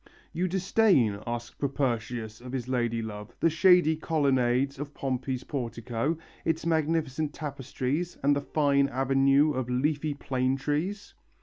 "You disdain," asks Propertius of his lady love, "the shady colonnades of Pompey's portico, its magnificent tapestries and the fine avenue of leafy plane trees?"